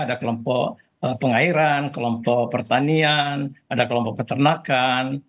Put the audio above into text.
ada kelompok pengairan kelompok pertanian ada kelompok peternakan